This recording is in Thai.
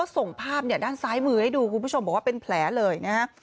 ส่งภาพด้านซ้ายมือให้ดูคุณผู้ชมบอกว่าเป็นแผลเลยนะฮะ